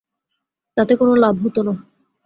তাতে কোনো লাভ হত না।